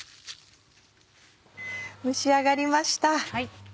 蒸し上がりました。